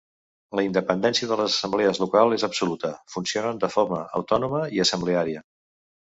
La independència de les assemblees locals és absoluta, funcionen de forma autònoma i assembleària.